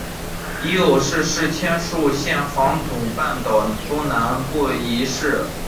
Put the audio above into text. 夷隅市是千叶县房总半岛东南部的一市。